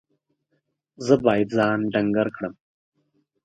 زه باید ځان ډنګر کړم.